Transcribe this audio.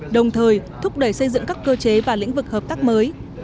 đồng thời thúc đẩy xây dựng các cơ chế và lĩnh vực hợp tác mới